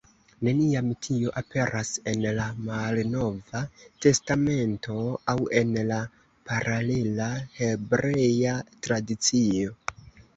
Neniam tio aperas en la Malnova Testamento aŭ en la paralela hebrea tradicio.